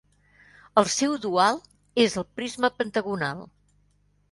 El seu dual és el prisma pentagonal.